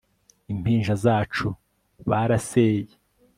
Impinja zacu baraseye